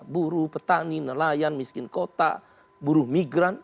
buruh petani nelayan miskin kota buruh migran